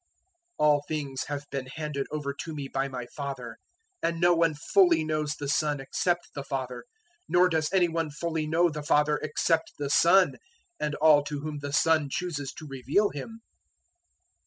011:027 "All things have been handed over to me by my Father, and no one fully knows the Son except the Father, nor does any one fully know the Father except the Son and all to whom the Son chooses to reveal Him.